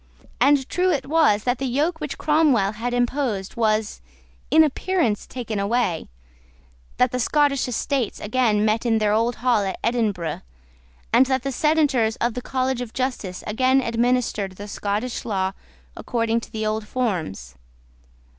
And true it was that the yoke which Cromwell had imposed was, in appearance, taken away, that the Scottish Estates again met in their old hall at Edinburgh, and that the Senators of the College of Justice again administered the Scottish law according to the old forms.